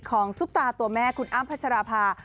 ซุปตาตัวแม่คุณอ้ำพัชราภา